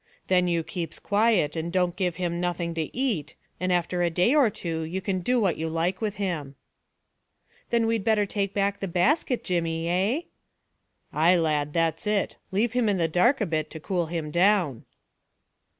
Then you keeps quiet, and don't give him nothing to eat, and after a day or two you can do what you like with him." "Then we'd better take back the basket, Jemmy, eh?" "Ay, lad, that's it. Leave him in the dark a bit to cool him down."